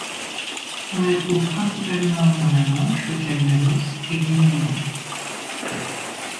On la trouve principalement dans la Manche, le Calvados et l'Ille-et-Vilaine.